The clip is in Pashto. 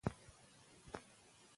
که ملاتړ دوام ولري نو پرمختګ به وسي.